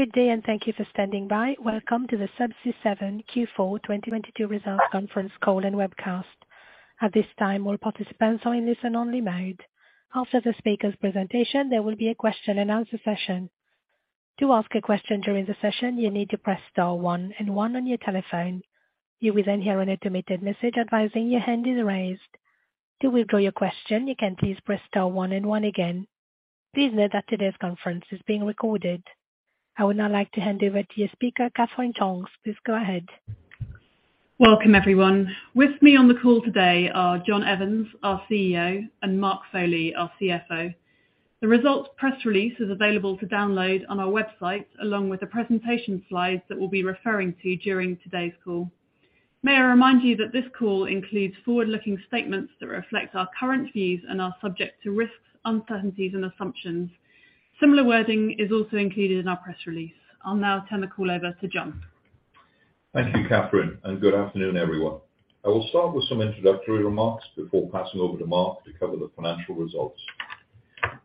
Good day and thank you for standing by. Welcome to the Subsea7 Q4 2022 results conference call and webcast. At this time, all participants are in listen only mode. After the speaker's presentation, there will be a question and answer session. To ask a question during the session, you need to press star one and one on your telephone. You will then hear an automated message advising your hand is raised. To withdraw your question, you can please press star one and one again. Please note that today's conference is being recorded. I would now like to hand over to your speaker, Katherine Tonks. Please go ahead. Welcome, everyone. With me on the call today are John Evans, our CEO, and Mark Foley, our CFO. The results press release is available to download on our website, along with the presentation slides that we'll be referring to during today's call. May I remind you that this call includes forward-looking statements that reflect our current views and are subject to risks, uncertainties and assumptions. Similar wording is also included in our press release. I'll now turn the call over to John. Thank you, Katherine, good afternoon, everyone. I will start with some introductory remarks before passing over to Mark to cover the financial results.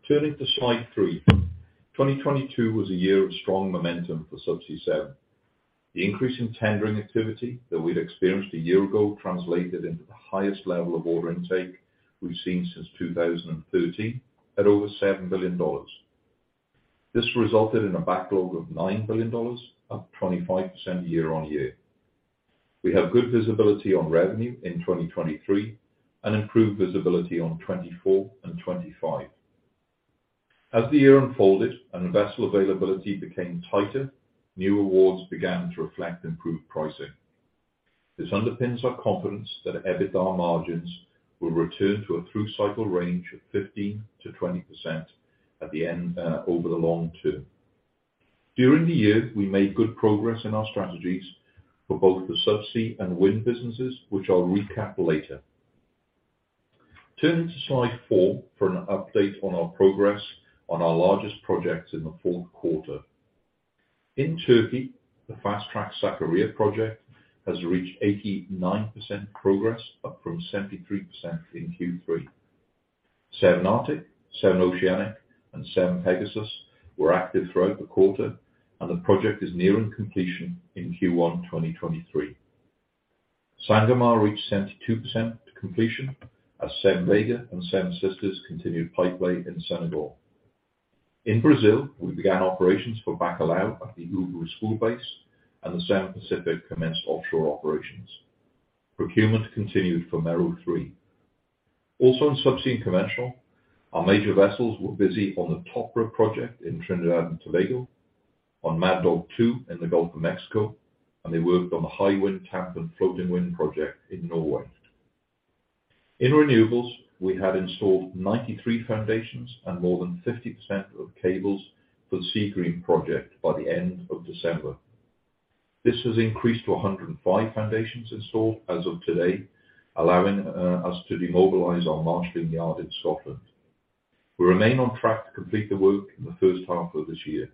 Turning to slide three. 2022 was a year of strong momentum for Subsea7. The increase in tendering activity that we'd experienced a year ago translated into the highest level of order intake we've seen since 2013, at over $7 billion. This resulted in a backlog of $9 billion, up 25% year-over-year. We have good visibility on revenue in 2023 and improved visibility on 2024 and 2025. As the year unfolded and vessel availability became tighter, new awards began to reflect improved pricing. This underpins our confidence that EBITDA margins will return to a through cycle range of 15%-20% at the end over the long term. During the year, we made good progress in our strategies for both the Subsea and Wind businesses, which I'll recap later. Turning to slide four for an update on our progress on our largest projects in the fourth quarter. In Turkey, the fast track Sakarya project has reached 89% progress, up from 73% in Q3. Seven Arctic, Seven Oceanic and Seven Pegasus were active throughout the quarter and the project is nearing completion in Q1 2023. Sangomar reached 72% completion as Seven Vega and Seven Sisters continued pipelay in Senegal. In Brazil, we began operations for Bacalhau at the Ubu spoolbase and the Seven Pacific commenced offshore operations. Procurement continued for Mero-3. In Subsea conventional, our major vessels were busy on the TOPR project in Trinidad and Tobago on Mad Dog Two in the Gulf of Mexico, and they worked on the Hywind Tampen floating wind project in Norway. In renewables, we had installed 93 foundations and more than 50% of cables for the Seagreen project by the end of December. This has increased to 105 foundations installed as of today, allowing us to demobilize our marshaling yard in Scotland. We remain on track to complete the work in the first half of this year.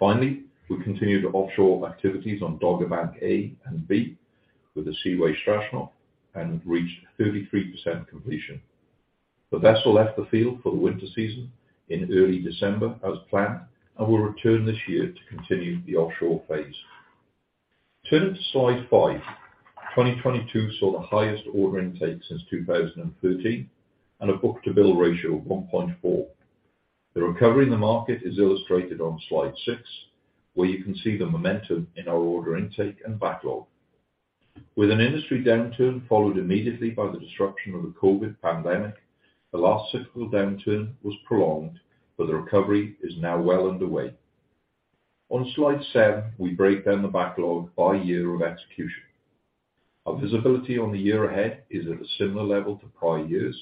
We continue the offshore activities on Dogger Bank A and B with the Seaway Strashnov and have reached 33% completion. The vessel left the field for the winter season in early December as planned, will return this year to continue the offshore phase. Turning to slide five. 2022 saw the highest order intake since 2013 and a book-to-bill ratio of 1.4. The recovery in the market is illustrated on slide six, where you can see the momentum in our order intake and backlog. With an industry downturn followed immediately by the disruption of the COVID-19 pandemic, the last cyclical downturn was prolonged, but the recovery is now well underway. On slide seven, we break down the backlog by year of execution. Our visibility on the year ahead is at a similar level to prior years,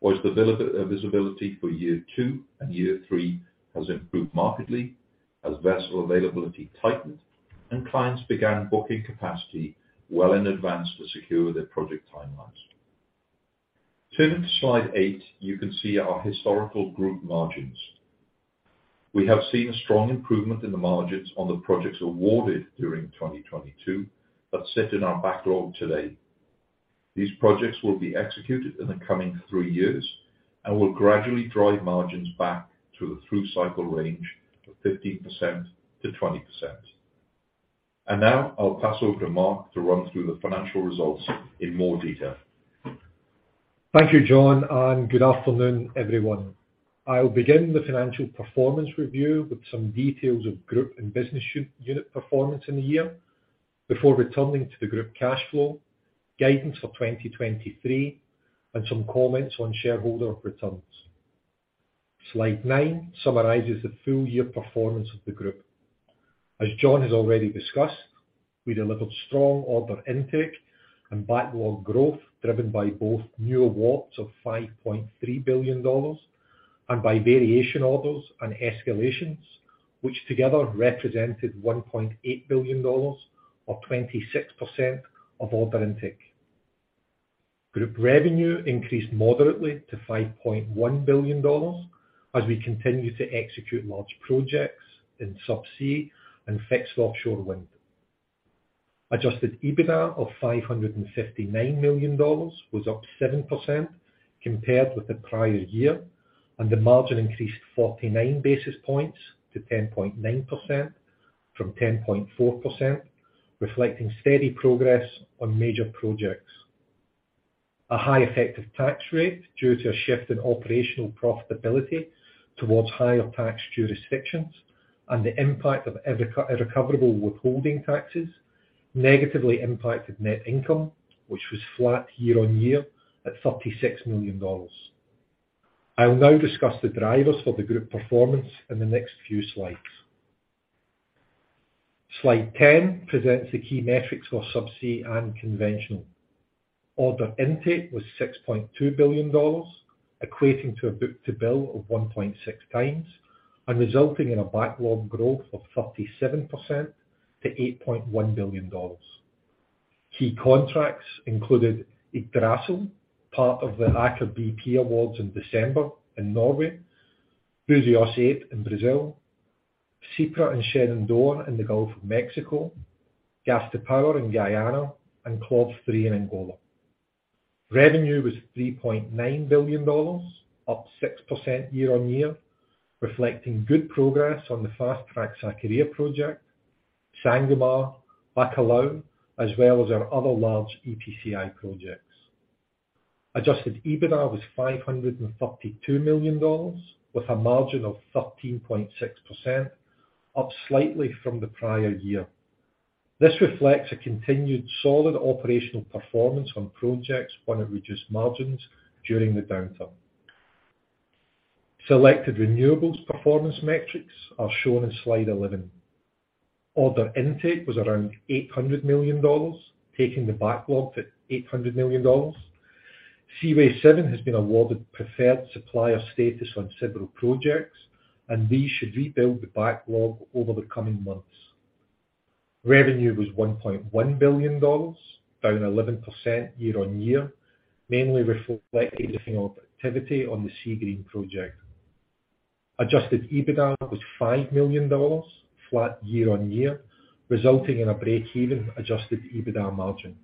whilst the visibility for year two and year three has improved markedly as vessel availability tightened and clients began booking capacity well in advance to secure their project timelines. Turning to slide eight, you can see our historical group margins. We have seen a strong improvement in the margins on the projects awarded during 2022 that sit in our backlog today. These projects will be executed in the coming three years and will gradually drive margins back to the through cycle range of 15%-20%. Now I'll pass over to Mark to run through the financial results in more detail. Thank you, John, and good afternoon, everyone. I'll begin the financial performance review with some details of group and business unit performance in the year before returning to the group cash flow, guidance for 2023 and some comments on shareholder returns. Slide nine summarizes the full year performance of the group. As John has already discussed, we delivered strong order intake and backlog growth, driven by both new awards of $5.3 billion and by variation orders and escalations, which together represented $1.8 billion or 26% of order intake. Group revenue increased moderately to $5.1 billion as we continue to execute large projects in Subsea and fixed offshore wind. Adjusted EBITDA of $559 million was up 7% compared with the prior year, and the margin increased 49 basis points to 10.9% from 10.4%, reflecting steady progress on major projects. A high effective tax rate due to a shift in operational profitability towards higher tax jurisdictions and the impact of irrecoverable withholding taxes negatively impacted net income, which was flat year-on-year at $36 million. I'll now discuss the drivers for the group performance in the next few slides. Slide 10 presents the key metrics for Subsea and Conventional. Order intake was $6.2 billion, equating to a book-to-bill of 1.6 times and resulting in a backlog growth of 37% to $8.2 billion. Key contracts included Yggdrasil, part of the Aker BP awards in December in Norway, Búzios 8 in Brazil, Sparta and Shenandoah in the Gulf of Mexico, Gas to Power in Guyana and Block 3 in Angola. Revenue was $3.9 billion, up 6% year-on-year, reflecting good progress on the FastTrack Sakarya project, Sangomar, Bacalhau, as well as our other large EPCI projects. Adjusted EBITDA was $532 million, with a margin of 13.6%, up slightly from the prior year. This reflects a continued solid operational performance on projects won at reduced margins during the downturn. Selected renewables performance metrics are shown in slide 11. Order intake was around $800 million, taking the backlog to $800 million. Seaway7 has been awarded preferred supplier status on several projects, these should rebuild the backlog over the coming months. Revenue was $1.1 billion, down 11% year-on-year, mainly reflecting a shift in activity on the Seagreen project. Adjusted EBITDA was $5 million, flat year-on-year, resulting in a break-even adjusted EBITDA margin.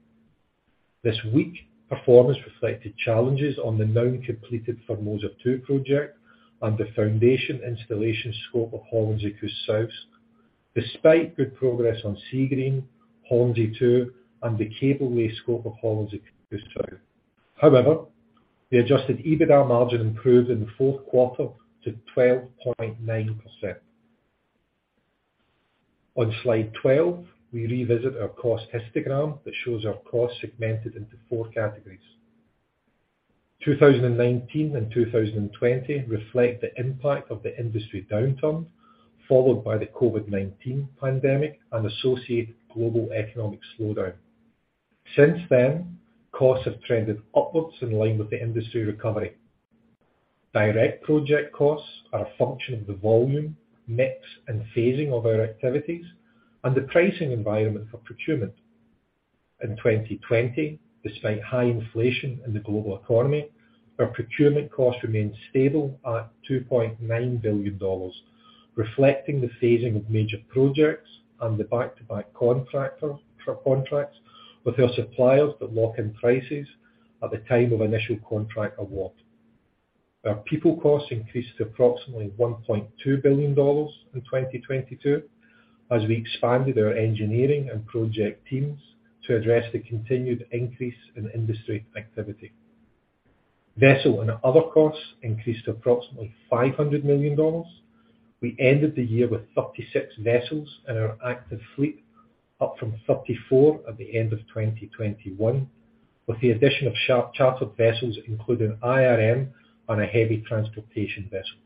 This weak performance reflected challenges on the now completed Formosa 2 project and the foundation installation scope of Hollandse Kust Zuid. Despite good progress on Seagreen, Hollandse Kust Noord, and the cable lay scope of Hollandse Kust Zuid. The adjusted EBITDA margin improved in the fourth quarter to 12.9%. On slide 12, we revisit our cost histogram that shows our costs segmented into four categories. 2019 and 2020 reflect the impact of the industry downturn, followed by the COVID-19 pandemic and associated global economic slowdown. Since then, costs have trended upwards in line with the industry recovery. Direct project costs are a function of the volume, mix, and phasing of our activities and the pricing environment for procurement. In 2020, despite high inflation in the global economy, our procurement costs remained stable at $2.9 billion, reflecting the phasing of major projects and the back-to-back contractor for contracts with our suppliers that lock in prices at the time of initial contract award. Our people costs increased to approximately $1.2 billion in 2022 as we expanded our engineering and project teams to address the continued increase in industry activity. Vessel and other costs increased to approximately $500 million. We ended the year with 36 vessels in our active fleet, up from 34 at the end of 2021, with the addition of sharp chartered vessels, including IRM and a heavy transportation vessel.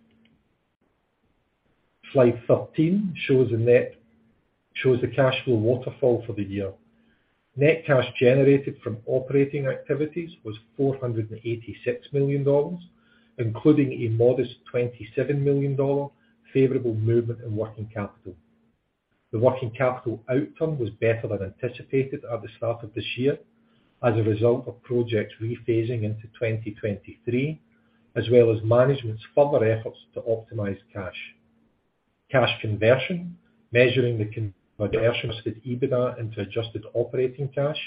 Slide 13 shows the cash flow waterfall for the year. Net cash generated from operating activities was $486 million, including a modest and $27 million favorable movement in working capital. The working capital outcome was better than anticipated at the start of this year as a result of projects rephasing into 2023, as well as management's further efforts to optimize cash. Cash conversion, measuring the conversion of adjusted EBITDA into adjusted operating cash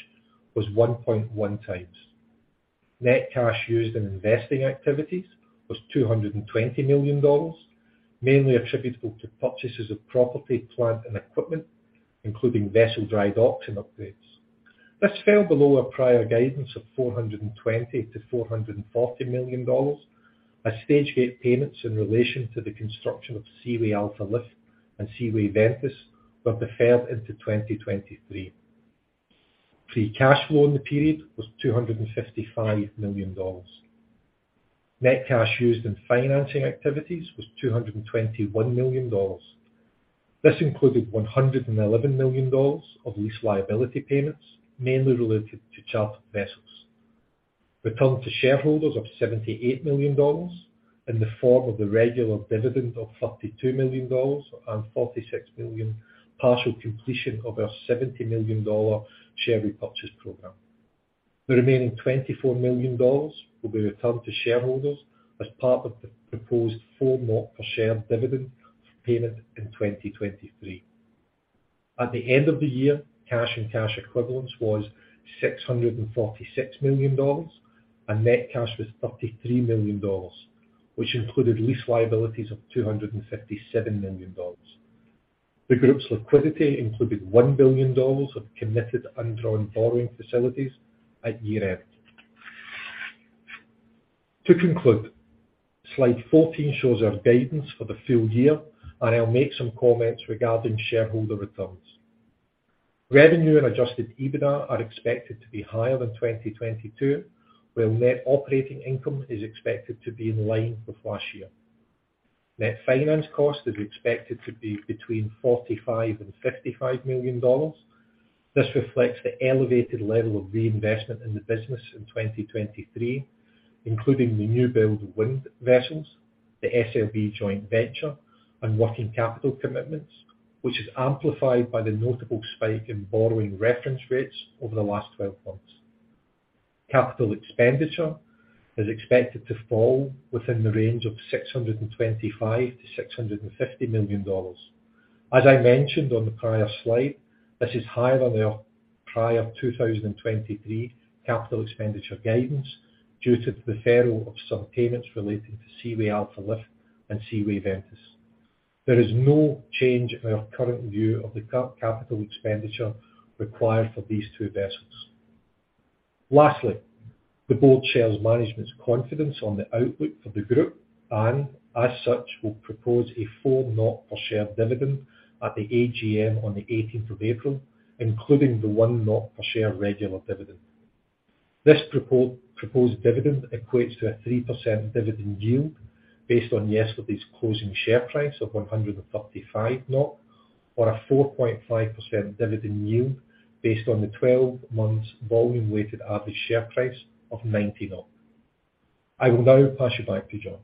was 1.1 times. Net cash used in investing activities was $220 million, mainly attributable to purchases of property, plant, and equipment, including vessel drydock and upgrades. This fell below our prior guidance of $420 million-$440 million, as stage gate payments in relation to the construction of Seaway Alfa Lift and Seaway Ventus were deferred into 2023. Free cash flow in the period was $255 million. Net cash used in financing activities was $221 million. This included $111 million of lease liability payments, mainly related to chartered vessels. Return to shareholders of $78 million in the form of the regular dividend of $32 million and $46 million partial completion of our $70 million share repurchase program. The remaining $24 million will be returned to shareholders as part of the proposed 4 NOK per share dividend for payment in 2023. At the end of the year, cash and cash equivalents was $646 million, and net cash was $33 million, which included lease liabilities of $257 million. The group's liquidity included $1 billion of committed undrawn borrowing facilities at year-end. To conclude, slide 14 shows our guidance for the full year. I'll make some comments regarding shareholder returns. Revenue and adjusted EBITDA are expected to be higher than 2022, where net operating income is expected to be in line with last year. Net finance cost is expected to be between $45 million and $55 million. This reflects the elevated level of reinvestment in the business in 2023, including the new build wind vessels, the SLB joint venture, and working capital commitments, which is amplified by the notable spike in borrowing reference rates over the last 12 months. Capital expenditure is expected to fall within the range of $625 million-$650 million. As I mentioned on the prior slide, this is higher than our prior 2023 capital expenditure guidance due to the deferral of some payments relating to Seaway Alfa Lift and Seaway Ventus. There is no change in our current view of the capital expenditure required for these two vessels. Lastly, the board shares management's confidence on the outlook for the group and, as such, will propose a 4 NOK per share dividend at the AGM on the 18th of April, including the 1 NOK per share regular dividend. This proposed dividend equates to a 3% dividend yield based on yesterday's closing share price of 135 NOK or a 4.5% dividend yield based on the 12 months volume-weighted average share price of 90 NOK. I will now pass you back to John.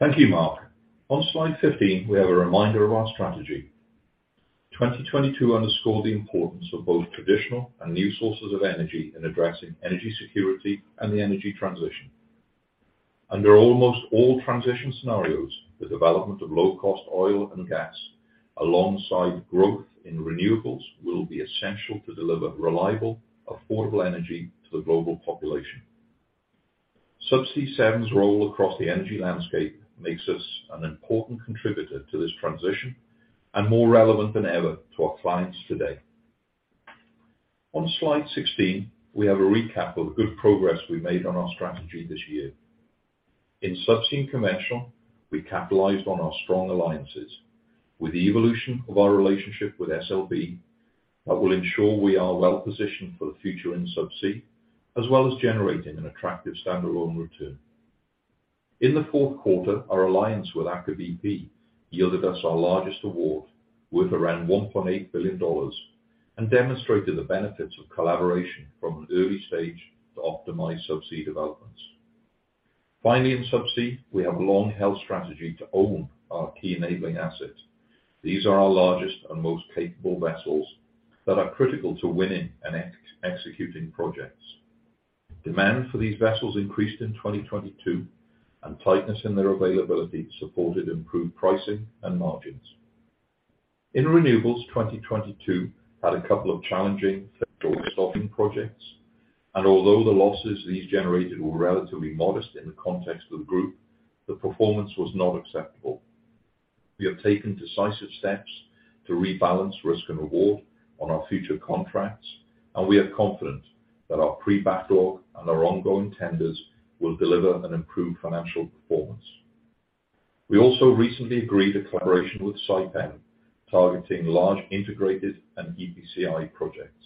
Thank you, Mark. On slide 15, we have a reminder of our strategy. 2022 underscored the importance of both traditional and new sources of energy in addressing energy security and the energy transition. Under almost all transition scenarios, the development of low-cost oil and gas alongside growth in renewables will be essential to deliver reliable, affordable energy to the global population. Subsea7's role across the energy landscape makes us an important contributor to this transition and more relevant than ever to our clients today. On slide 16, we have a recap of the good progress we made on our strategy this year. In Subsea Commercial, we capitalized on our strong alliances. With the evolution of our relationship with SLB, that will ensure we are well positioned for the future in Subsea, as well as generating an attractive standalone return. In the fourth quarter, our alliance with Aker BP yielded us our largest award, worth around $1.8 billion, and demonstrated the benefits of collaboration from an early stage to optimize Subsea developments. Finally, in Subsea, we have a long health strategy to own our key enabling assets. These are our largest and most capable vessels that are critical to winning and executing projects. Demand for these vessels increased in 2022, and tightness in their availability supported improved pricing and margins. In renewables, 2022 had a couple of challenging stopping projects, and although the losses these generated were relatively modest in the context of the group, the performance was not acceptable. We have taken decisive steps to rebalance risk and reward on our future contracts, and we are confident that our pre-backlog and our ongoing tenders will deliver an improved financial performance. We also recently agreed a collaboration with Saipem, targeting large integrated and EPCI projects.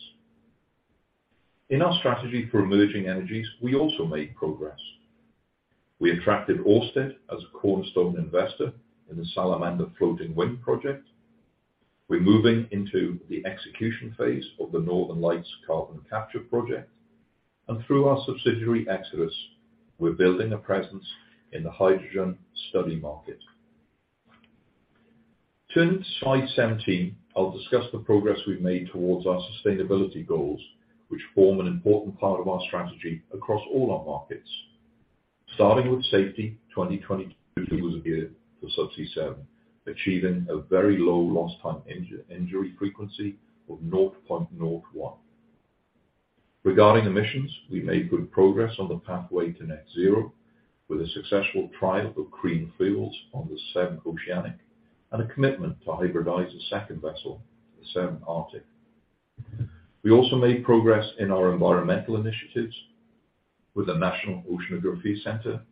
In our strategy for emerging energies, we also made progress. We attracted Ørsted as a cornerstone investor in the Salamander Floating Wind project. We're moving into the execution phase of the Northern Lights Carbon Capture project. Through our subsidiary, Xodus, we're building a presence in the hydrogen study market. Turning to slide 17, I'll discuss the progress we've made towards our sustainability goals, which form an important part of our strategy across all our markets. Starting with safety, 2022 was a year for Subsea7, achieving a very low lost time injury frequency of 0.01. Regarding emissions, we made good progress on the pathway to net zero with a successful trial of green fuels on the Seven Oceanic and a commitment to hybridize a second vessel, the Seven Arctic. We also made progress in our environmental initiatives with the National Oceanography Center,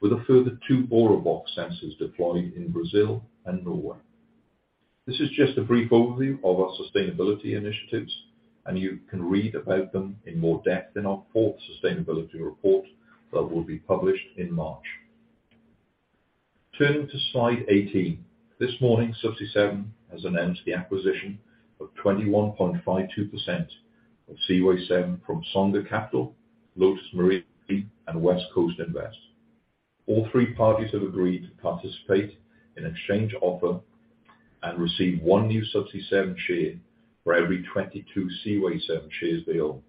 with a further two BORAbox sensors deployed in Brazil and Norway. This is just a brief overview of our sustainability initiatives, and you can read about them in more depth in our fourth sustainability report that will be published in March. Turning to slide 18. This morning, Subsea7 has announced the acquisition of 21.52% of Seaway7 from Songa Capital, Lotus Marine, and West Coast Invest. All three parties have agreed to participate in exchange offer and receive one new Subsea7 share for every 22 Seaway7 shares they own.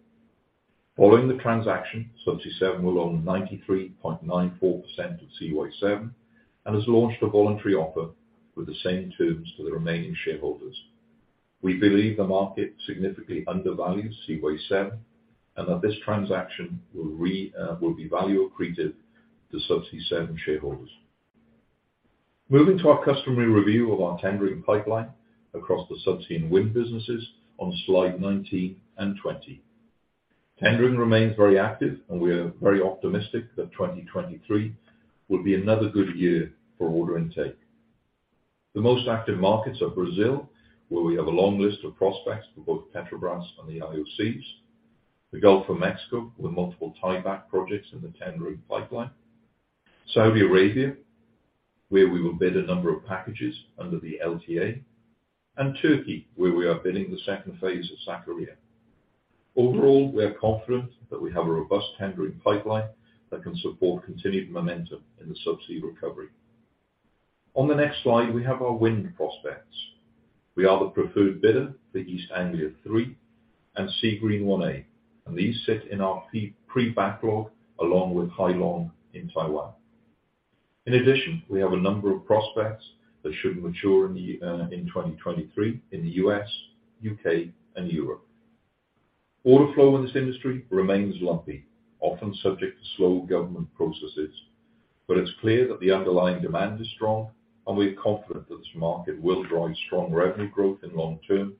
Following the transaction, Subsea7 will own 93.94% of Seaway7, and has launched a voluntary offer with the same terms to the remaining shareholders. We believe the market significantly undervalues Seaway7, and that this transaction will be value accretive to Subsea7 shareholders. Moving to our customary review of our tendering pipeline across the Subsea and Wind businesses on Slide 19 and 20. Tendering remains very active, and we are very optimistic that 2023 will be another good year for order intake. The most active markets are Brazil, where we have a long list of prospects for both Petrobras and the IOCs, the Gulf of Mexico with multiple tieback projects in the tendering pipeline. Saudi Arabia, where we will bid a number of packages under the LTA, and Turkey, where we are bidding the second phase of Sakarya. Overall, we are confident that we have a robust tendering pipeline that can support continued momentum in the Subsea recovery. On the next slide, we have our Wind prospects. We are the preferred bidder for East Anglia Three and Seagreen1A, these sit in our pre-backlog along with Hailong in Taiwan. In addition, we have a number of prospects that should mature in 2023 in the U.S., U.K. and Europe. Order flow in this industry remains lumpy, often subject to slow government processes, it's clear that the underlying demand is strong, we are confident that this market will drive strong revenue growth in long term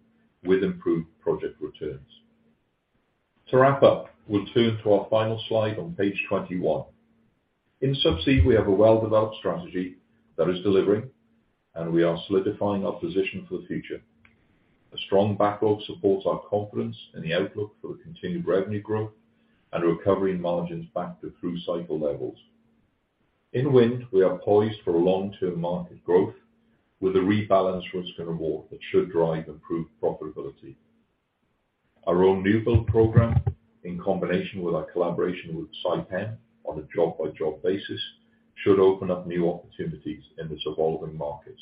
with improved project returns. To wrap up, we'll turn to our final slide on page 21. In Subsea, we have a well-developed strategy that is delivering, we are solidifying our position for the future. A strong backlog supports our confidence in the outlook for the continued revenue growth and recovery in margins back to through cycle levels. In Wind, we are poised for a long-term market growth with a rebalance risk and reward that should drive improved profitability. Our own new build program, in combination with our collaboration with Saipem on a job-by-job basis, should open up new opportunities in this evolving market.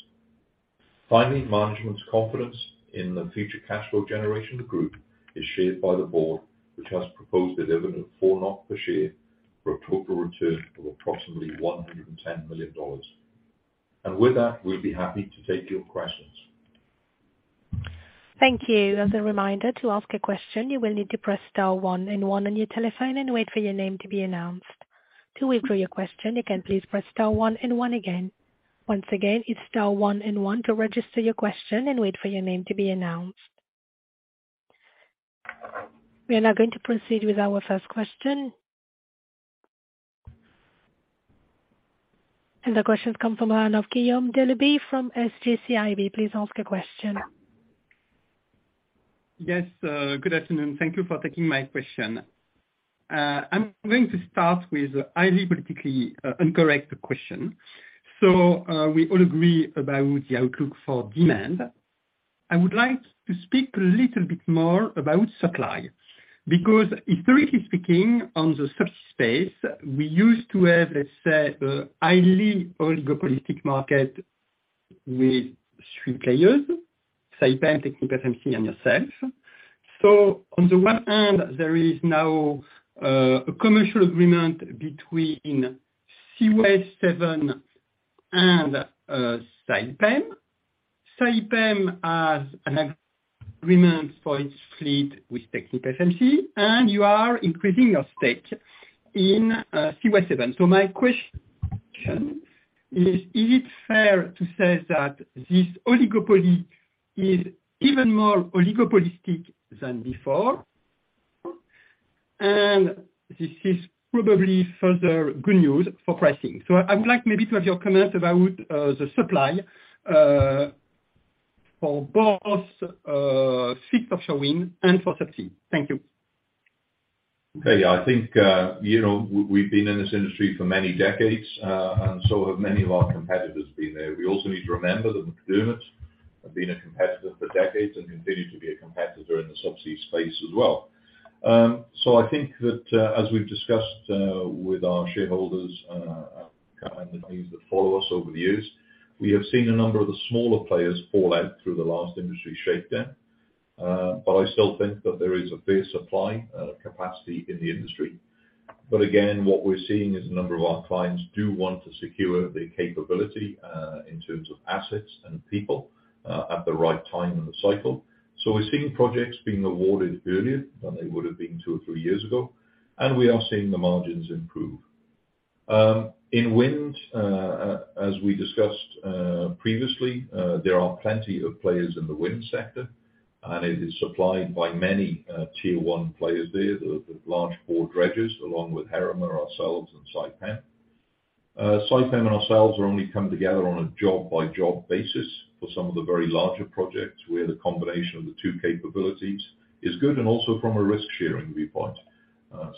Finally, management's confidence in the future cash flow generation of the group is shared by the board, which has proposed a dividend of 4 NOK per share for a total return of approximately $110 million. With that, we'll be happy to take your questions. Thank you. As a reminder, to ask a question, you will need to press star one and one on your telephone and wait for your name to be announced. To withdraw your question, you can please press star one and one again. Once again, it's star one and one to register your question and wait for your name to be announced. We are now going to proceed with our first question. The question comes from line of Guillaume Delaby from SG CIB. Please ask your question. Yes, good afternoon. Thank you for taking my question. I'm going to start with highly politically incorrect question. We all agree about the outlook for demand. I would like to speak a little bit more about supply, because historically speaking, on the Subsea space, we used to have, let's say, a highly oligopolistic market with three players, Saipem, TechnipFMC and yourself. On the one hand, there is now a commercial agreement between Seaway7 and Saipem. Saipem has an agreement for its fleet with TechnipFMC, and you are increasing your stake in Seaway7. My question is it fair to say that this oligopoly is even more oligopolistic than before? This is probably further good news for pricing. I would like maybe to have your comments about the supply for both fixed offshore wind and for Subsea. Thank you. Okay. I think, you know, we've been in this industry for many decades, and so have many of our competitors been there. We also need to remember that McDermott have been a competitor for decades and continue to be a competitor in the Subsea space as well. I think that, as we've discussed with our shareholders and the clients that follow us over the years, we have seen a number of the smaller players fall out through the last industry shakedown. I still think that there is a fair supply capacity in the industry. Again, what we're seeing is a number of our clients do want to secure their capability in terms of assets and people at the right time in the cycle. We're seeing projects being awarded earlier than they would have been two or three years ago, and we are seeing the margins improve. In Wind, as we discussed previously, there are plenty of players in the Wind sector, and it is supplied by many tier one players there, the large four dredgers along with Heerema, ourselves and Saipem. Saipem and ourselves are only coming together on a job-by-job basis for some of the very larger projects where the combination of the two capabilities is good and also from a risk-sharing viewpoint.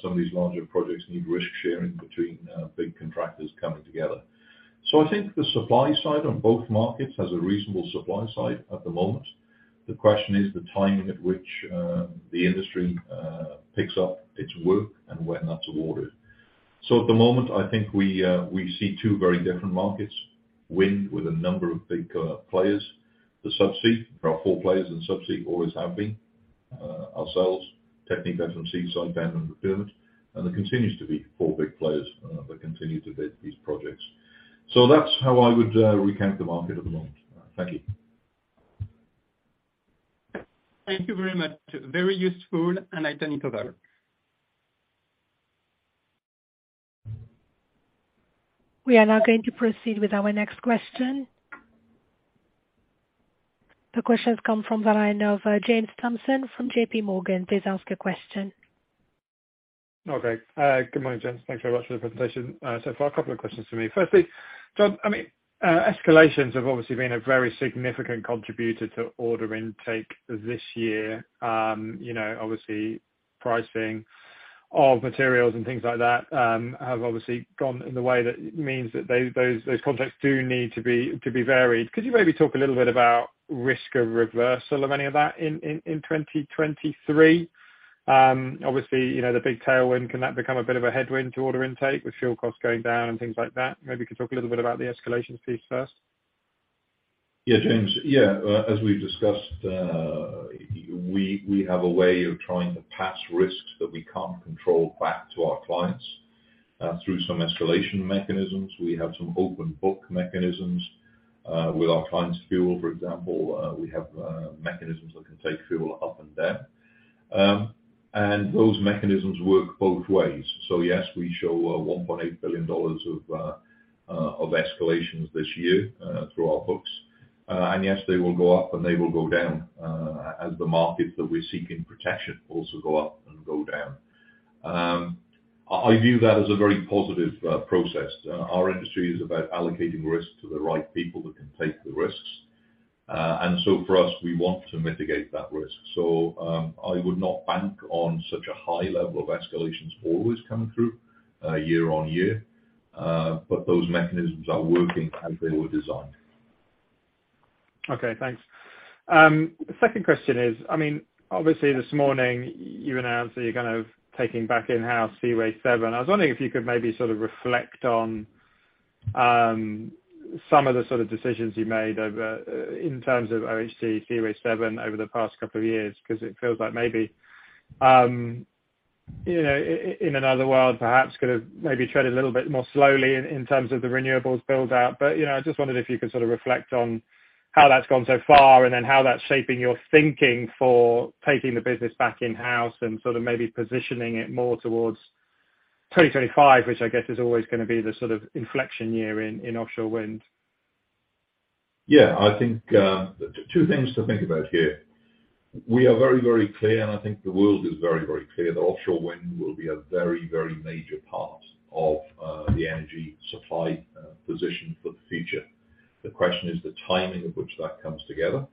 Some of these larger projects need risk-sharing between big contractors coming together. I think the supply side on both markets has a reasonable supply side at the moment. The question is the timing at which the industry picks up its work and when that's awarded. At the moment, I think we see two very different markets. Wind, with a number of big players. The subsea, there are four players in subsea, always have been, ourselves, TechnipFMC, Subsea7, and Allseas. There continues to be four big players that continue to bid these projects. That's how I would recap the market at the moment. Thank you. Thank you very much. Very useful. I turn it over. We are now going to proceed with our next question. The question has come from the line of James Thompson from JPMorgan. Please ask your question. Okay. Good morning, gents. Thanks very much for the presentation so far. A couple of questions from me. Firstly, John, I mean, escalations have obviously been a very significant contributor to order intake this year. You know, obviously pricing of materials and things like that have obviously gone in the way that it means that those contexts do need to be varied. Could you maybe talk a little bit about risk of reversal of any of that in 2023? Obviously, you know, the big tailwind, can that become a bit of a headwind to order intake with fuel costs going down and things like that? Maybe you could talk a little bit about the escalation piece first. Yeah, James. Yeah, as we've discussed, we have a way of trying to pass risks that we can't control back to our clients through some escalation mechanisms. We have some open book mechanisms with our clients' fuel, for example. We have mechanisms that can take fuel up and down. And those mechanisms work both ways. Yes, we show $1.8 billion of escalations this year through our books. And yes, they will go up and they will go down as the markets that we seek in protection also go up and go down. I view that as a very positive process. Our industry is about allocating risk to the right people that can take the risks. For us, we want to mitigate that risk. I would not bank on such a high level of escalations always coming through, year-on-year. Those mechanisms are working as they were designed. Okay, thanks. Second question is, I mean, obviously this morning you announced that you're kind of taking back in-house Seaway7. I was wondering if you could maybe sort of reflect on some of the sort of decisions you made over in terms of OHT, Seaway7 over the past couple of years, because it feels like maybe, you know, in another world perhaps could have maybe tread a little bit more slowly in terms of the renewables build-out. You know, I just wondered if you could sort of reflect on how that's gone so far, and then how that's shaping your thinking for taking the business back in-house and sort of maybe positioning it more towards 2025, which I guess is always gonna be the sort of inflection year in offshore wind. Yeah. I think two things to think about here. We are very, very clear, and I think the world is very, very clear that offshore wind will be a very, very major part of the energy supply position for the future. The question is the timing at which that comes together.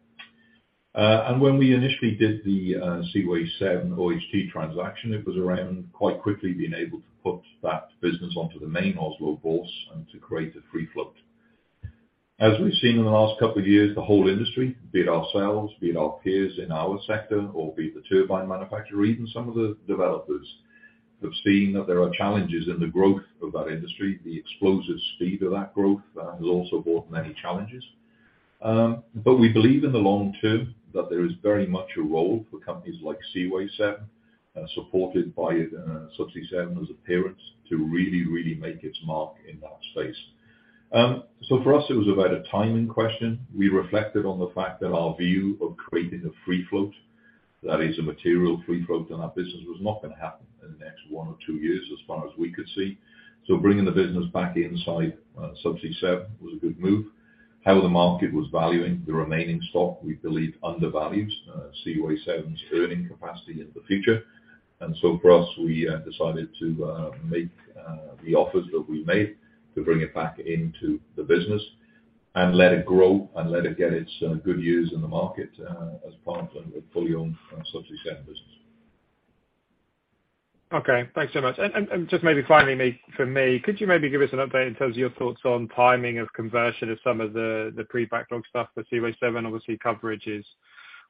When we initially did the Seaway7 OHT transaction, it was around quite quickly being able to put that business onto the main Oslo Børs and to create a free float. As we've seen in the last couple of years, the whole industry, be it ourselves, be it our peers in our sector, or be it the turbine manufacturer, even some of the developers, have seen that there are challenges in the growth of that industry. The explosive speed of that growth has also brought many challenges. We believe in the long term that there is very much a role for companies like Seaway7, supported by Subsea7 as a parent, to really make its mark in that space. For us, it was about a timing question. We reflected on the fact that our view of creating a free float, that is a material free float in our business, was not gonna happen in the next one or two years as far as we could see. Bringing the business back inside Subsea7 was a good move. How the market was valuing the remaining stock, we believe undervalued Seaway7's earning capacity in the future. For us, we decided to make the offers that we made to bring it back into the business and let it grow and let it get its good years in the market as part of a fully owned Subsea7 business. Okay. Thanks so much. Just maybe finally me, from me, could you maybe give us an update in terms of your thoughts on timing of conversion of some of the pre-backlog stuff for Seaway7? Obviously, coverage is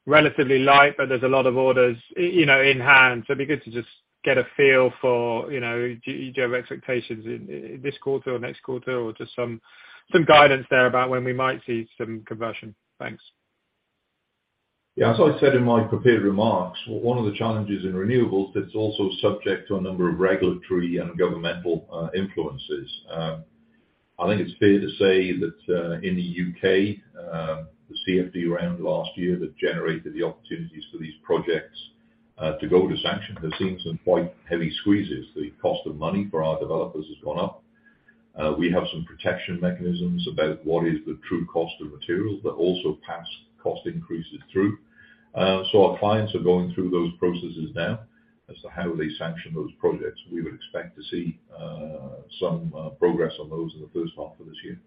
relatively light, but there's a lot of orders, you know, in hand. It'd be good to just get a feel for, you know, do you have expectations in this quarter or next quarter, or just some guidance there about when we might see some conversion. Thanks. Yeah. As I said in my prepared remarks, one of the challenges in renewables, it's also subject to a number of regulatory and governmental influences. I think it's fair to say that in the U.K., the CFD round last year that generated the opportunities for these projects to go to sanction has seen some quite heavy squeezes. The cost of money for our developers has gone up. We have some protection mechanisms about what is the true cost of materials, but also pass cost increases through. Our clients are going through those processes now as to how they sanction those projects. We would expect to see some progress on those in the first half of this year.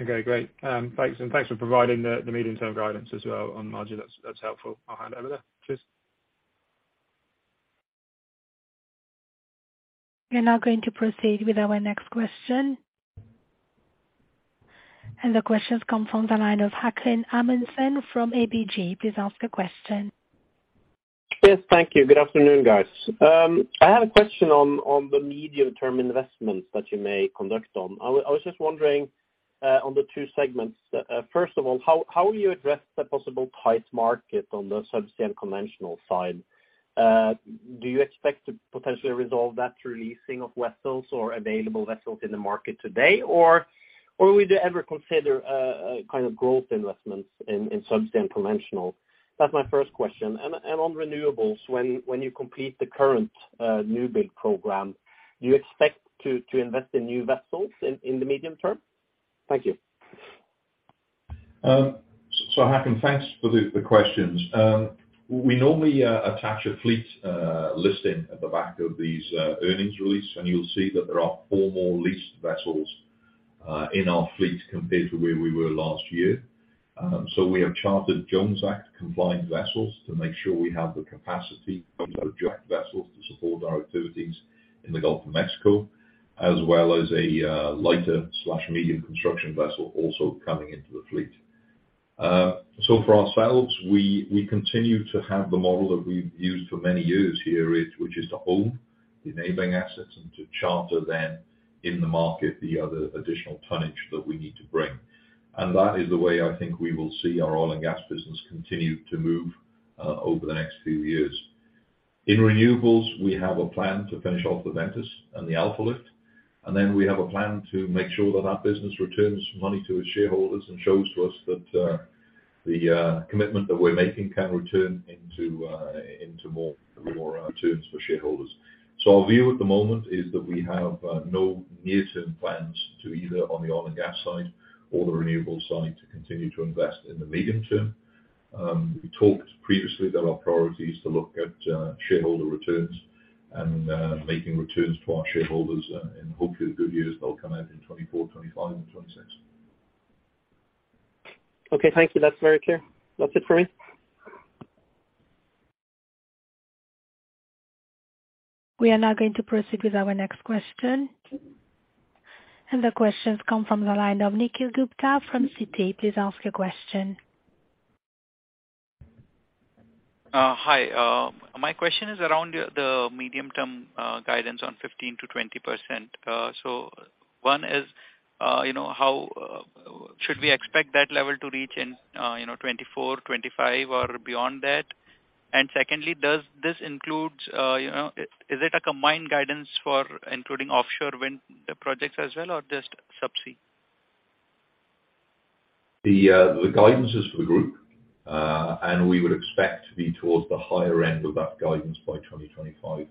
Okay, great. thanks. And thanks for providing the medium term guidance as well on margin. That's helpful. I'll hand over there. Cheers. We are now going to proceed with our next question. The question comes from the line of Haakon Amundsen from ABG. Please ask your question. Yes. Thank you. Good afternoon, guys. I have a question on the medium-term investments that you may conduct on. I was just wondering on the two segments. First of all, how will you address the possible tight market on the Subsea and conventional side? Do you expect to potentially resolve that through leasing of vessels or available vessels in the market today? Would you ever consider a kind of growth investments in Subsea and conventional? That's my first question. On renewables, when you complete the current new build program, do you expect to invest in new vessels in the medium term? Thank you. Haakon, thanks for the questions. We normally attach a fleet listing at the back of these earnings release, you'll see that there are four more leased vessels in our fleet compared to where we were last year. We have chartered Jones Act compliant vessels to make sure we have the capacity of those jacked vessels to support our activities in the Gulf of Mexico, as well as a lighter/medium construction vessel also coming into the fleet. For ourselves, we continue to have the model that we've used for many years here is, which is to own the enabling assets and to charter then in the market the other additional tonnage that we need to bring. That is the way I think we will see our oil and gas business continue to move over the next few years. In renewables, we have a plan to finish off the Ventus and the Alfa Lift, and then we have a plan to make sure that that business returns money to its shareholders and shows to us that the commitment that we're making can return into more, more returns for shareholders. Our view at the moment is that we have no near-term plans to either, on the oil and gas side or the renewables side, to continue to invest in the medium term. We talked previously that our priority is to look at shareholder returns and making returns to our shareholders in hopefully the good years they'll come out in 2024, 2025 and 2026. Okay, thank you. That's very clear. That's it for me. We are now going to proceed with our next question. The question's come from the line of Nikhil Gupta from Citi. Please ask your question. Hi. My question is around the medium-term guidance on 15%-20%. One is, you know, how should we expect that level to reach in, you know, 2024, 2025 or beyond that? Secondly, does this include, you know, is it a combined guidance for including offshore wind projects as well, or just subsea? The guidance is for the group. We would expect to be towards the higher end of that guidance by 2025.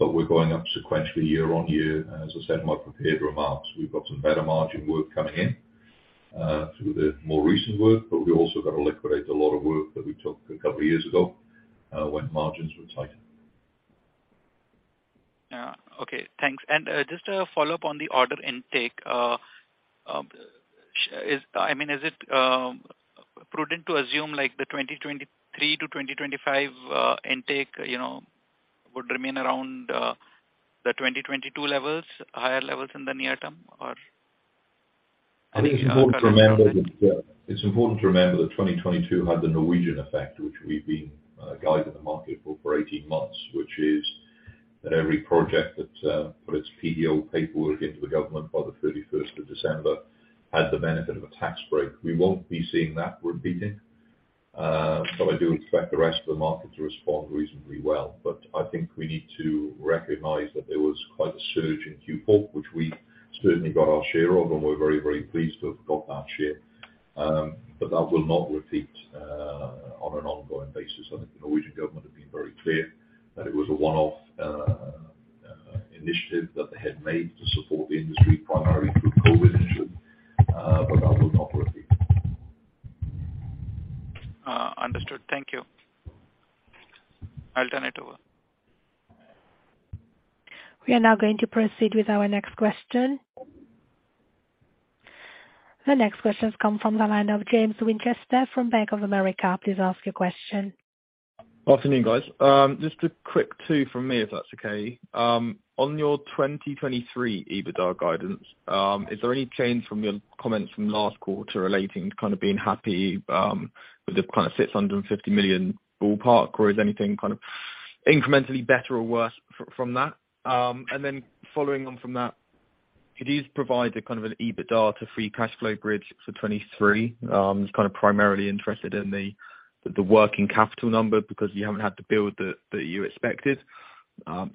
We're going up sequentially year-on-year. As I said in my prepared remarks, we've got some better margin work coming in through the more recent work, but we've also got to liquidate a lot of work that we took a couple of years ago when margins were tighter. Okay, thanks. Just a follow-up on the order intake. I mean, is it prudent to assume like the 2023 to 2025 intake, you know, would remain around the 2022 levels, higher levels in the near term, or? I think it's important to remember that 2022 had the Norwegian effect, which we've been guiding the market for 18 months, which is that every project that put its PDO paperwork into the government by the 31st of December had the benefit of a tax break. We won't be seeing that repeating. I do expect the rest of the market to respond reasonably well. I think we need to recognize that there was quite a surge in queue pull, which we certainly got our share of, and we're very, very pleased to have got that share. That will not repeat on an ongoing basis. I think the Norwegian government have been very clear that it was a one-off initiative that they had made to support the industry primarily through COVID initiative, but that will not repeat. understood. Thank you. I'll turn it over. We are now going to proceed with our next question. The next question's come from the line of James Winchester from Bank of America. Please ask your question. Afternoon, guys. Just a quick two from me, if that's okay. On your 2023 EBITDA guidance, is there any change from your comments from last quarter relating to kind of being happy with the kind of $650 million ballpark, or is anything kind of incrementally better or worse from that? Following on from that, could you just provide a kind of an EBITDA to free cash flow bridge for 2023? Just kind of primarily interested in the working capital number because you haven't had the build that you expected.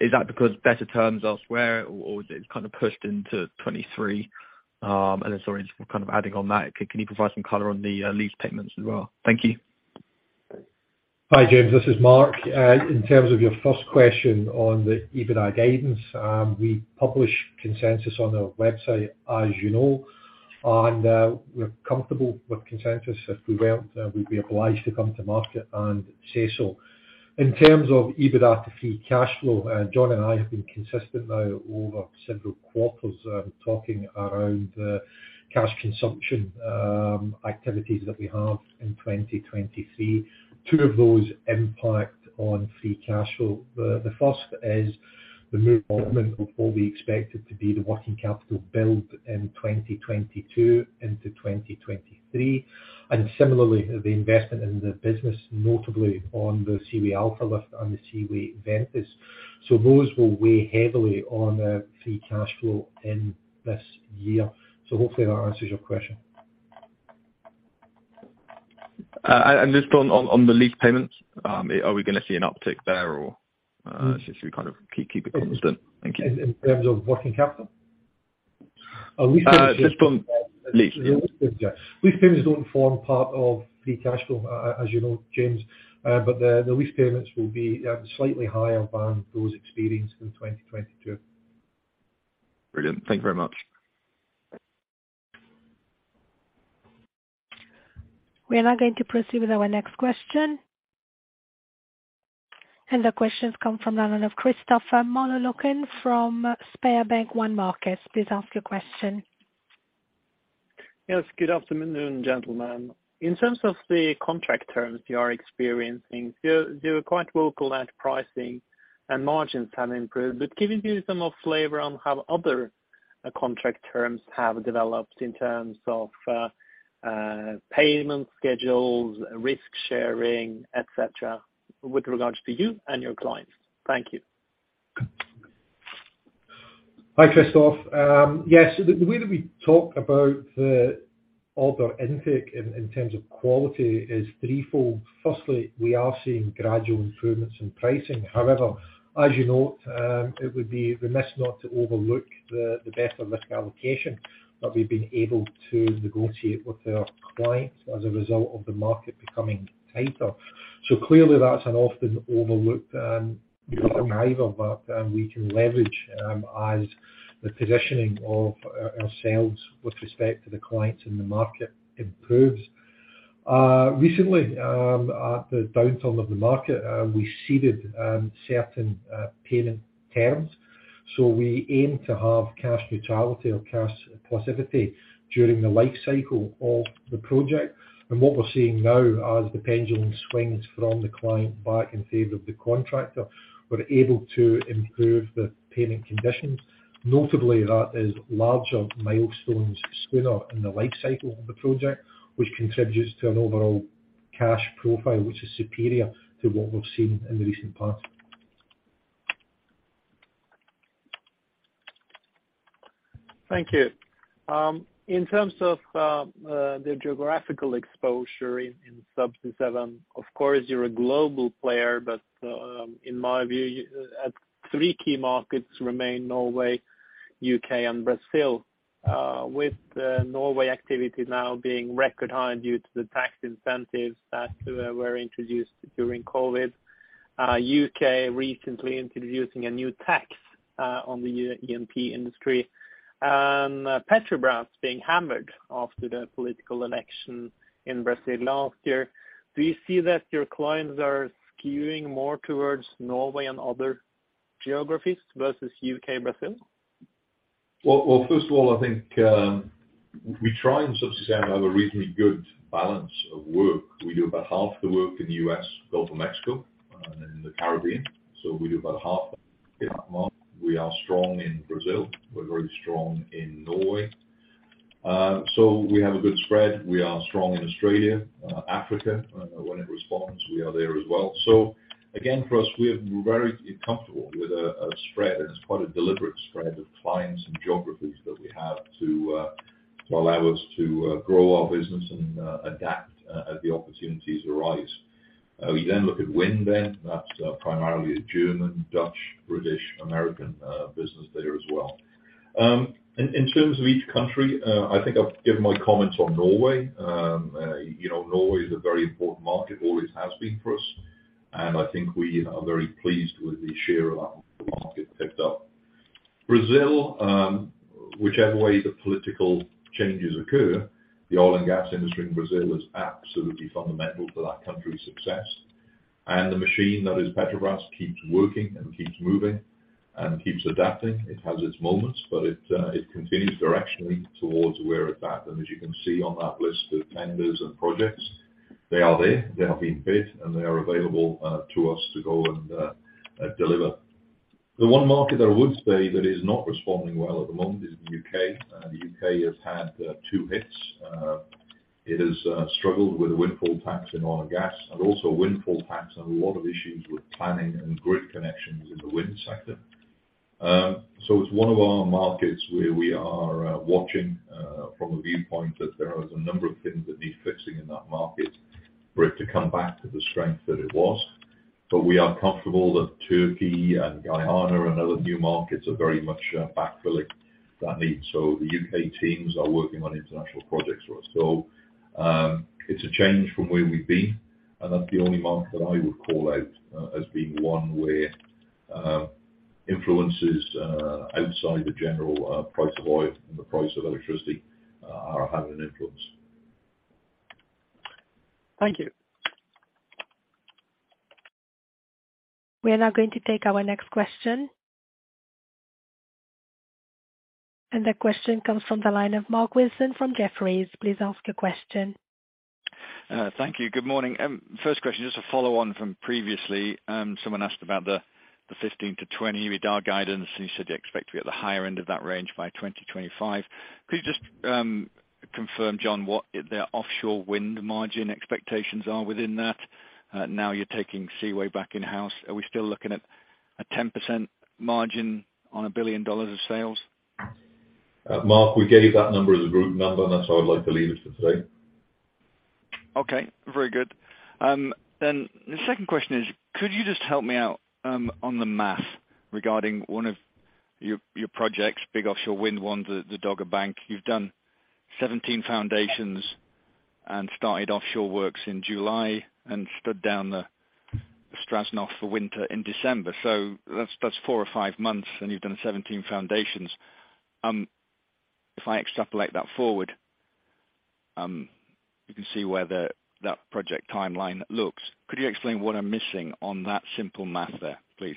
Is that because better terms elsewhere or is it kind of pushed into 2023? Sorry, just kind of adding on that, can you provide some color on the lease payments as well? Thank you. Hi, James. This is Mark. In terms of your first question on the EBITDA guidance, we publish consensus on our website, as you know. We're comfortable with consensus. If we weren't, we'd be obliged to come to market and say so. In terms of EBITDA free cash flow, John and I have been consistent now over several quarters, talking around the cash consumption, activities that we have in 2023. 2 of those impact on free cash flow. The, the first is the movement of what we expected to be the working capital build in 2022 into 2023, and similarly, the investment in the business, notably on the Seaway Alfa Lift and the Seaway Ventus. Those will weigh heavily on free cash flow in this year. Hopefully that answers your question. Just on the lease payments, are we gonna see an uptick there, or should we kind of keep it constant? Thank you. In terms of working capital? Our lease payments... Just from lease. Yeah. Lease payments don't form part of free cash flow, as you know, James. The lease payments will be slightly higher than those experienced in 2022. Brilliant. Thank you very much. We are now going to proceed with our next question. The question's come from the line of Christopher Mollerlokken from SpareBank 1 Markets. Please ask your question. Yes, good afternoon, gentlemen. In terms of the contract terms you are experiencing, you're quite vocal that pricing and margins have improved. Can you give some more flavor on how other contract terms have developed in terms of payment schedules, risk sharing, et cetera, with regards to you and your clients? Thank you. Hi, Christophe. Yes. The way that we talk about the order intake in terms of quality is threefold. Firstly, we are seeing gradual improvements in pricing. However, as you note, it would be remiss not to overlook the better risk allocation that we've been able to negotiate with our clients as a result of the market becoming tighter. Clearly that's an often overlooked driver that we can leverage as the positioning of ourselves with respect to the clients in the market improves. Recently, at the downturn of the market, we ceded certain payment terms. We aim to have cash neutrality or cash positivity during the lifecycle of the project. What we're seeing now as the pendulum swings from the client back in favor of the contractor, we're able to improve the payment conditions. Notably, that is larger milestones sooner in the lifecycle of the project, which contributes to an overall cash profile which is superior to what we've seen in the recent past. Thank you. In terms of the geographical exposure in Subsea7, of course you're a global player, but in my view three key markets remain Norway, U.K., and Brazil. With the Norway activity now being record high due to the tax incentives that were introduced during COVID. U.K. Recently introducing a new tax on the E&P industry. Petrobras being hammered after the political election in Brazil last year. Do you see that your clients are skewing more towards Norway and other geographies versus U.K. and Brazil? Well, first of all, I think, we try in Subsea and have a reasonably good balance of work. We do about half the work in the U.S., Gulf of Mexico, and in the Caribbean. We do about half. We are strong in Brazil. We're very strong in Norway. We have a good spread. We are strong in Australia. Africa, when it responds, we are there as well. Again, for us, we're very comfortable with a spread, and it's quite a deliberate spread of clients and geographies that we have to allow us to grow our business and adapt as the opportunities arise. We then look at wind then. That's primarily a German, Dutch, British, American business there as well. In terms of each country, I think I've given my comments on Norway. You know, Norway is a very important market, always has been for us. I think we are very pleased with the share of that market picked up. Brazil, whichever way the political changes occur, the oil and gas industry in Brazil is absolutely fundamental to that country's success. The machine that is Petrobras keeps working and keeps moving and keeps adapting. It has its moments, but it continues directionally towards where it's at. As you can see on that list of tenders and projects, they are there. They have been bid, and they are available to us to go and deliver. The one market I would say that is not responding well at the moment is the U.K. The U.K. has had two hits. It has struggled with the windfall tax in oil and gas and also windfall tax and a lot of issues with planning and grid connections in the wind sector. It's one of our markets where we are watching from a viewpoint that there is a number of things that need fixing in that market for it to come back to the strength that it was. We are comfortable that Turkey and Guyana and other new markets are very much backfilling that need. The U.K. teams are working on international projects for us. It's a change from where we've been, and that's the only month that I would call out as being one where influences outside the general price of oil and the price of electricity are having an influence. Thank you. We are now going to take our next question. That question comes from the line of Mark Wilson from Jefferies. Please ask your question. Thank you. Good morning. First question, just a follow on from previously, someone asked about the 15%-20% EBITDA guidance, and you said you expect to be at the higher end of that range by 2025. Could you just confirm, John, what the offshore wind margin expectations are within that? Now you're taking Seaway back in-house, are we still looking at a 10% margin on $1 billion of sales? Mark, we gave that number as a group number, and that's how I'd like to leave it for today. Okay, very good. The second question is, could you just help me out on the math regarding one of your projects, big offshore wind one, the Dogger Bank. You've done 17 foundations and started offshore works in July and stood down the Strashnov for winter in December. That's four or five months, and you've done 17 foundations. If I extrapolate that forward, you can see where that project timeline looks. Could you explain what I'm missing on that simple math there, please?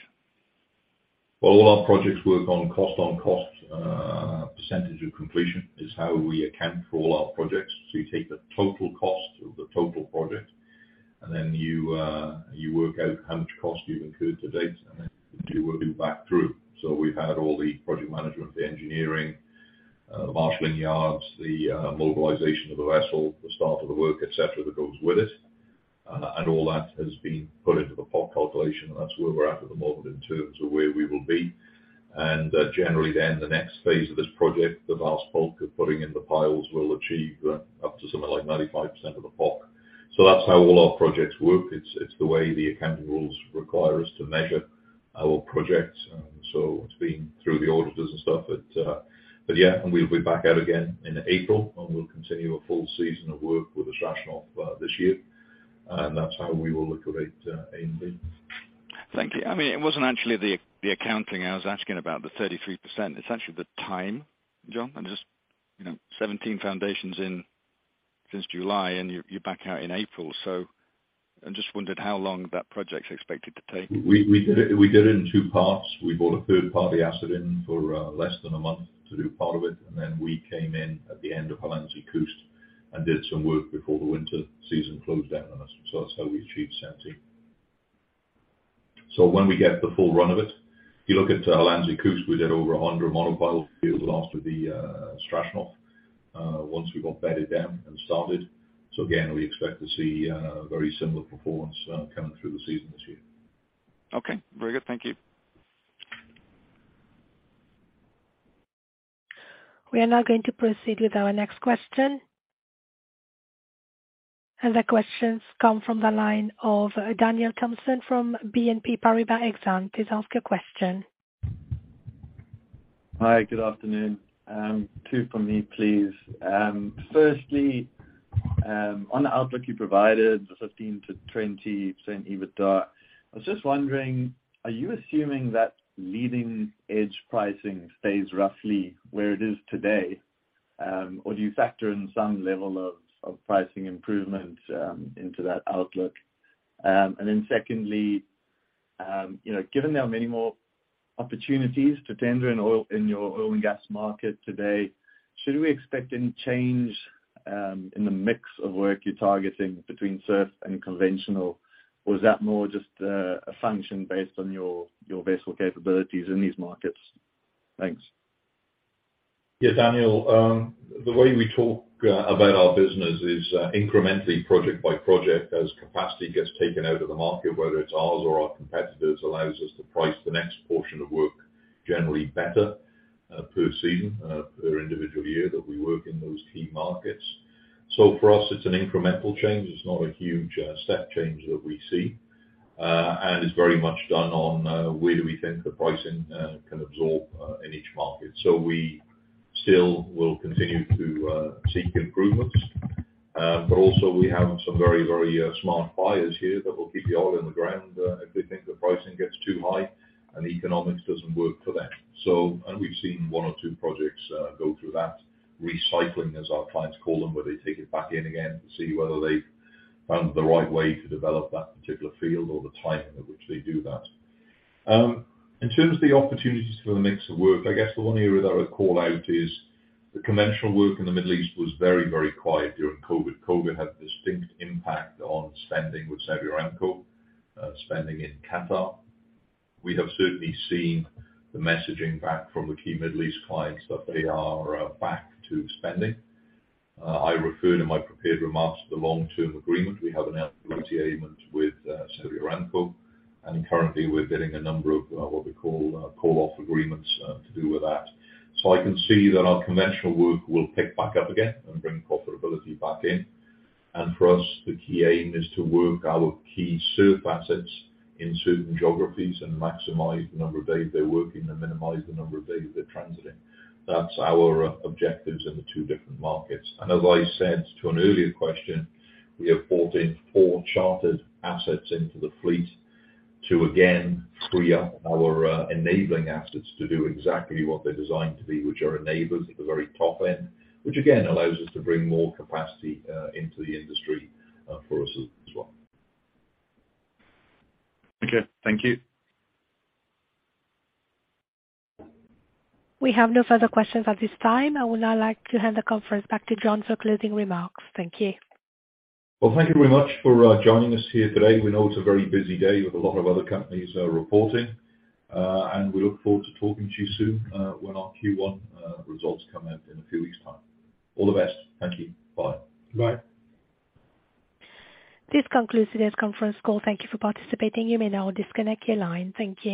All our projects work on cost on cost. Percentage of completion is how we account for all our projects. You take the total cost of the total project, and then you work out how much cost you've incurred to date, and then you work it back through. We've had all the project management, the engineering, marshaling yards, the mobilization of the vessel, the start of the work, et cetera, that goes with it. All that has been put into the PoC calculation, and that's where we're at the moment in terms of where we will be. Generally then, the next phase of this project, the vast bulk of putting in the piles will achieve up to something like 95% of the PoC. That's how all our projects work. It's the way the accounting rules require us to measure our projects, and so it's been through the auditors and stuff. Yeah, we'll be back out again in April, and we'll continue a full season of work with Strashnov this year, and that's how we will look at it aimed in. Thank you. I mean, it wasn't actually the accounting I was asking about, the 33%. It's actually the time, John. I'm just, you know, 17 foundations in since July and you're back out in April. I just wondered how long that project's expected to take. We did it, we did it in two parts. We brought a third party asset in for less than a month to do part of it, and then we came in at the end of Hollandse Kust and did some work before the winter season closed down. That's how we achieved 17. When we get the full run of it, if you look at Hollandse Kust, we did over 100 monopiles last with the Strashnov once we got bedded down and started. Again, we expect to see very similar performance coming through the season this year. Okay, very good. Thank you. We are now going to proceed with our next question. The questions come from the line of Daniel Thomson from BNP Paribas Exane. Please ask your question. Hi, good afternoon. Two from me, please. Firstly, on the outlook you provided, the 15%-20% EBITDA, I was just wondering, are you assuming that leading edge pricing stays roughly where it is today? Or do you factor in some level of pricing improvement into that outlook? Secondly, you know, given there are many more opportunities to tender in oil, in your oil and gas market today, should we expect any change in the mix of work you're targeting between SURF and conventional? Or is that more just a function based on your vessel capabilities in these markets? Thanks. Yeah, Daniel, the way we talk about our business is incrementally project by project as capacity gets taken out of the market, whether it's ours or our competitors, allows us to price the next portion of work generally better per season per individual year that we work in those key markets. For us, it's an incremental change. It's not a huge step change that we see, and it's very much done on where do we think the pricing can absorb in each market. We still will continue to seek improvements, but also we have some very smart buyers here that will keep the oil in the ground if they think the pricing gets too high and the economics doesn't work for them. We've seen one or two projects go through that recycling, as our clients call them, where they take it back in again to see whether they found the right way to develop that particular field or the timing at which they do that. In terms of the opportunities for the mix of work, I guess the one area that I would call out is the conventional work in the Middle East was very, very quiet during COVID. COVID had a distinct impact on spending with Saudi Aramco, spending in Qatar. We have certainly seen the messaging back from the key Middle East clients that they are back to spending. I referred in my prepared remarks to the long-term agreement. We have an activity agreement with Saudi Aramco. I can see that our conventional work will pick back up again and bring profitability back in. For us, the key aim is to work our key SURF assets in certain geographies and maximize the number of days they're working and minimize the number of days they're transiting. That's our objectives in the two different markets. As I said to an earlier question, we have brought in four chartered assets into the fleet to again free up our enabling assets to do exactly what they're designed to do, which are enablers at the very top end, which again allows us to bring more capacity into the industry for us as well. Okay. Thank you. We have no further questions at this time. I would now like to hand the conference back to John for closing remarks. Thank you. Well, thank you very much for joining us here today. We know it's a very busy day with a lot of other companies reporting. We look forward to talking to you soon when our Q1 results come out in a few weeks' time. All the best. Thank you. Bye. Bye. This concludes today's conference call. Thank you for participating. You may now disconnect your line. Thank you.